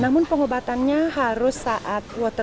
namun pengobatannya harus saat reading session